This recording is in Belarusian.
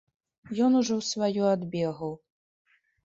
Ён ужо сваё адбегаў.